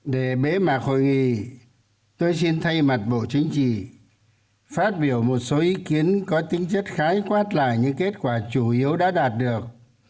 để bế mạc hội nghị tôi xin thay mặt bộ chính trị phát biểu một số ý kiến có tính chất khái quát lại những kết quả chủ yếu đã đạt được